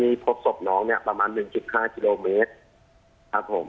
พบศพน้องเนี่ยประมาณ๑๕กิโลเมตรครับผม